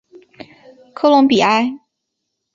科隆比埃。